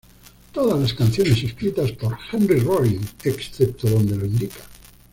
Todas las canciones escritas por Henry Rollins, excepto donde lo indica.